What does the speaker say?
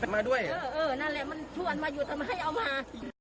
มาด้วยเออเออนั่นแหละมันชวนมาอยู่ทำไมเอามา